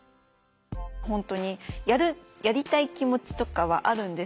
本当にやりたい気持ちとかはあるんですけど